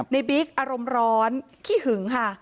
บิ๊กอารมณ์ร้อนขี้หึงค่ะ